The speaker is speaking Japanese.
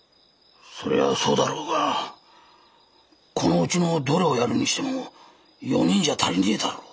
そりゃあそうだろうがこのうちのどれをやるにしても４人じゃ足りねえだろう。